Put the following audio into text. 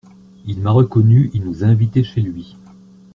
Il m’a reconnu, il nous a invités chez lui.